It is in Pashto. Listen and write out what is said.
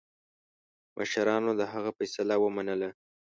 مشرانو د هغه فیصله ومنله.